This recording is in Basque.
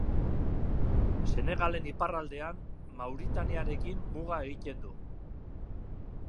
Senegalen iparraldean Mauritaniarekin muga egiten du.